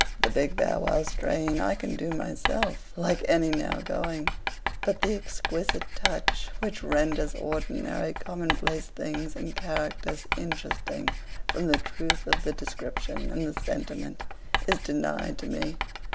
The big Bow Wow strain I can do myself like any now going; but the exquisite touch which renders ordinary common place things and characters interesting from the truth of the description and the sentiment is denied to me.